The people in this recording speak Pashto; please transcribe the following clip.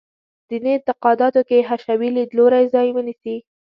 دیني اعتقاداتو کې حشوي لیدلوری ځای ونیسي.